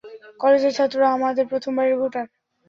কলেজের ছাত্ররা আমাদের প্রথমবারের ভোটার।